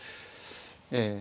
ええ。